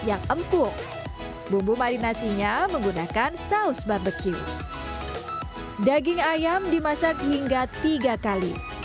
yang empuk bumbu marinasinya menggunakan saus barbecue daging ayam dimasak hingga tiga kali